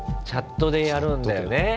チャットでやるんだよね